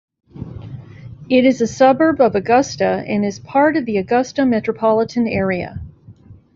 It is a suburb of Augusta and is part of the Augusta metropolitan area.